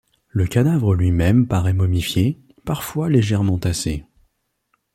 Le cadavre lui-même paraît momifié, parfois légèrement tassé.